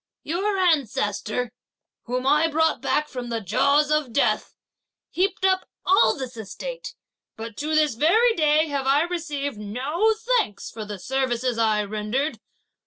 Your ancestor, whom I brought back from the jaws of death, heaped up all this estate, but up to this very day have I received no thanks for the services I rendered!